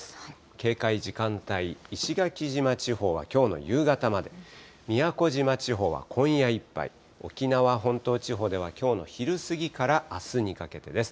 警戒時間帯、石垣島地方はきょうの夕方まで、宮古島地方は今夜いっぱい、沖縄本島地方ではきょうの昼過ぎからあすにかけてです。